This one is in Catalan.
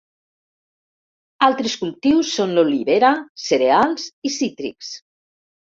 Altres cultius són l'olivera, cereals i cítrics.